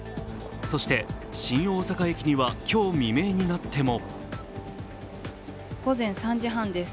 そして新大阪駅には今日未明になっても午前３時半です。